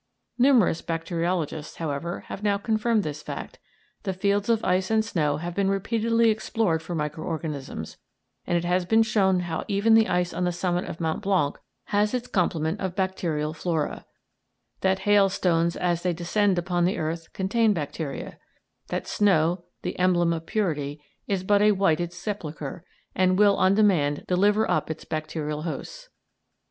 Numerous bacteriologists, however, have now confirmed this fact, the fields of ice and snow have been repeatedly explored for micro organisms, and it has been shown how even the ice on the summit of Mont Blanc has its complement of bacterial flora, that hailstones as they descend upon the earth contain bacteria, that snow, the emblem of purity, is but a whited sepulchre, and will on demand deliver up its bacterial hosts.